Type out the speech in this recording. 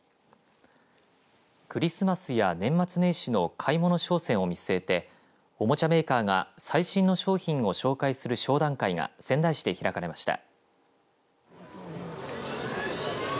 クリスマスや年末年始の買い物商戦を見すえておもちゃメーカーが最新の商品を紹介する商談会が仙台市で開かれました。